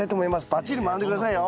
ばっちり学んで下さいよ。